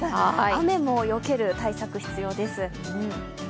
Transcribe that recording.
雨もよける対策が必要です。